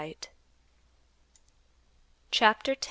CHAPTER X.